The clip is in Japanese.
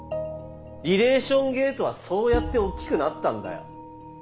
リレーション・ゲートはそうやって大っきくなったんだよ。